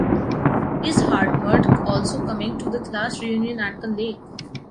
Is Hartmut also coming to the class reunion at the lake?